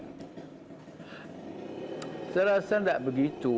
terserah sangat tidak begitu